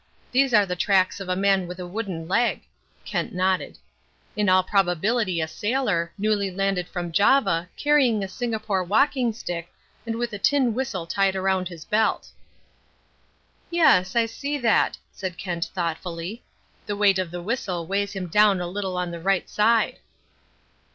These are the tracks of a man with a wooden leg" Kent nodded "in all probability a sailor, newly landed from Java, carrying a Singapore walking stick, and with a tin whistle tied round his belt." "Yes, I see that," said Kent thoughtfully. "The weight of the whistle weighs him down a little on the right side."